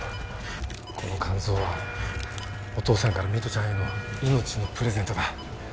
この肝臓はお父さんから美都ちゃんへの命のプレゼントだ。